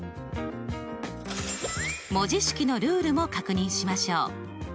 文字式のルールも確認しましょう。